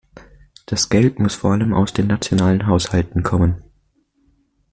Das Geld muss vor allem aus den nationalen Haushalten kommen.